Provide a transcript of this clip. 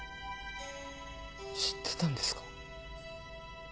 知ってたんですか？